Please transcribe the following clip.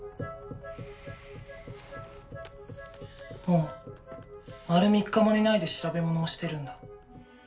もう丸３日も寝ないで調べ物をしてるんだ